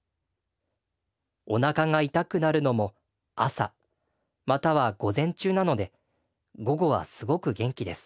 おなかが痛くなるのも朝または午前中なので午後はすごく元気です。